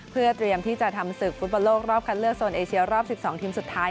เพื่อเตรียมที่จะทำศึกฟุตบอลโลกรอบคัดเลือกโซนเอเชียรอบ๑๒ทีมสุดท้าย